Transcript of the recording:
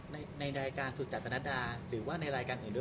ในรายการสุจัตนัดดาหรือว่าในรายการอื่นด้วย